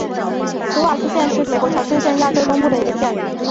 普瓦斯基县是美国乔治亚州中部的一个县。